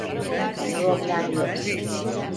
Problem yok.